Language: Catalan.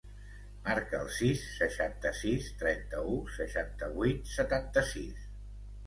Marca el sis, seixanta-sis, trenta-u, seixanta-vuit, setanta-sis.